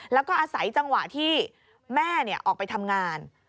แล้วก็อาศัยจังหวะที่แม่ออกไปทำงาน